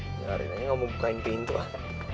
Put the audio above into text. biarin aja gak mau bukain pintu lah